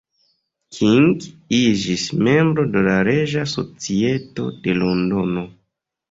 King iĝis membro de la Reĝa Societo de Londono.